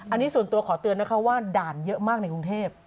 อันนี้ส่วนตัวขอเตือนนะคะว่าด่านเยอะมากในกรุงเทพ